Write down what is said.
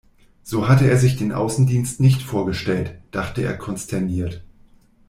So hatte er sich den Außendienst nicht vorgestellt, dachte er konsterniert.